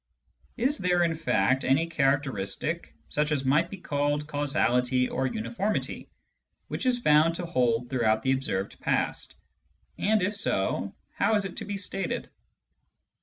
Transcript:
Is there, in fact, any characteristic, such as might be called causality or uniformity, which is found to hold throughout the observed past? And if so, how is it to be stated